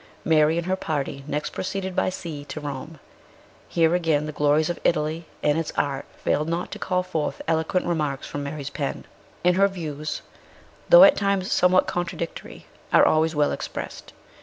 Mary and her party next proceeded by sea to Rome. Here, again, the glories of Italy and its art failed not to call forth eloquent remarks from Mary's pen; and her views, though at times somewhat contradictory, are always well expressed.